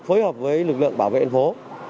phối hợp với lực lượng bảo vệ phố